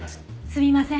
すみません。